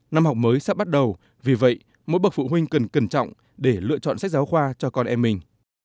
năm học mới sắp bắt đầu vì vậy mỗi bậc phụ huynh cần cẩn trọng để lựa chọn sách giáo khoa cho con em mình